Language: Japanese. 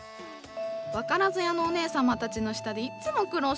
分からず屋のお姉様たちの下でいっつも苦労してる私。